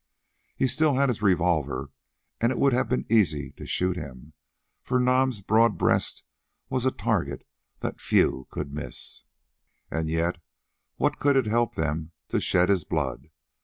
He still had his revolver, and it would have been easy to shoot him, for Nam's broad breast was a target that few could miss. And yet, what could it help them to shed his blood?